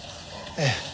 ええ。